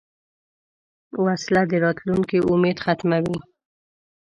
وسله د راتلونکې امید ختموي